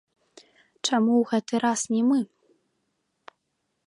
Чаму ў гэты раз не мы?